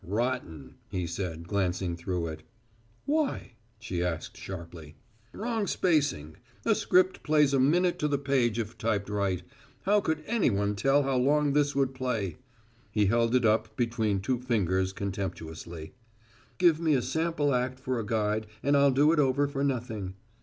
"Rotten," he said, glancing through it. "Why?" she asked sharply. "Wrong spacing. A script plays a minute to the page if typed right. How could anyone tell how long this would play?" He held it up between two fingers, contemptuously. "Give me a sample act for a guide and I'll do it over for nothing."